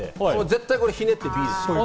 絶対ひねってＢです。